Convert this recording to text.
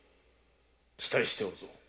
期待しておるぞ〕